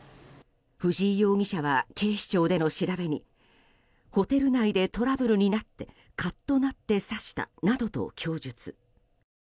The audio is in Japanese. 藤井容疑者は警視庁での調べにホテル内でトラブルになってカッとなって刺したなどと供述。